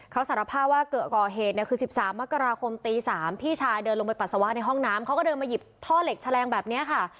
เขาสารภาพว่าก่อเหตุเนี่ยคือ๑๓มกราคมตี๓พี่ชายเดินลงไปปัสสาวะในห้องน้ำเขาก็เดินมาหยิบท่อเหล็กแฉลงแบบนี้ค่ะ